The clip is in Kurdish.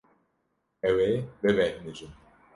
Ew ê bibêhnijin.